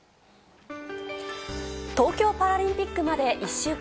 東京パラリンピックまで１週間。